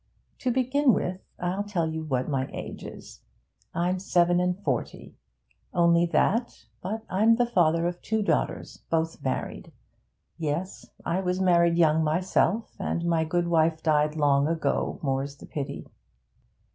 To begin with, I'll tell you what my age is; I'm seven and forty. Only that. But I'm the father of two daughters both married. Yes, I was married young myself, and my good wife died long ago, more's the pity.'